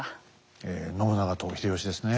ええ信長と秀吉ですね。